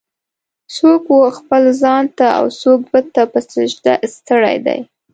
"څوک و خپل ځان ته اوڅوک بت ته په سجده ستړی دی.